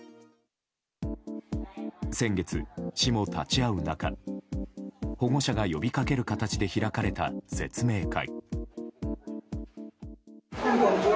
先月、市も立ち会う中保護者が呼び掛ける形で開かれた説明会。